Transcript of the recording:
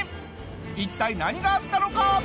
一体何があったのか？